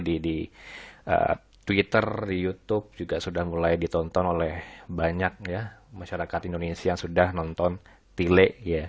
di twitter di youtube juga sudah mulai ditonton oleh banyak masyarakat indonesia yang sudah nonton pile